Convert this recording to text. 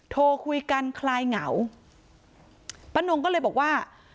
โทรคุยกันคลายเหงาป้านงก็เลยบอกว่า